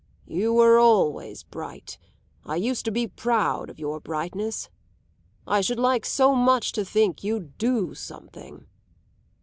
"You were always bright; I used to be proud of your brightness. I should like so much to think you'd do something."